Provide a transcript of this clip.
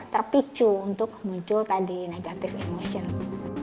terpicu untuk muncul tadi negatif emosional